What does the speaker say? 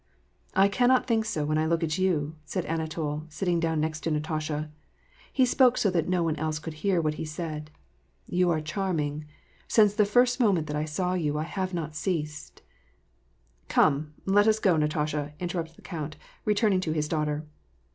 " I cannot think so when I look at you," said Anatol, sitting down next Natasha. He spoke so that no one else coiild hear what he said :" You are charming. ... Since the first mo ment that I saw you, I have not ceased "—" Come, let us go, Natasha," interrupted the count, return ing to his daughter.